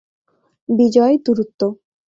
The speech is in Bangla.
বিজয়, দূরত্ব।